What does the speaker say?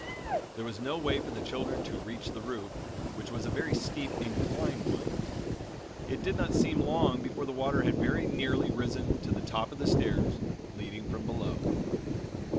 There was no way for the children to reach the roof, which was a very steep, inclined one. It did not seem long before the water had very nearly risen to the top of the stairs leading from below.